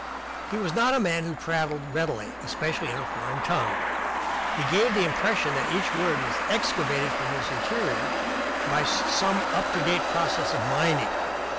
He was not a man who prattled readily, especially in a foreign tongue. He gave the impression that each word was excavated from his interior by some up to date process of mining.